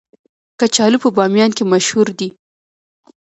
کچالو په بامیان کې مشهور دي